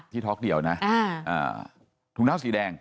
ท็อกเดียวนะถุงเท้าสีแดง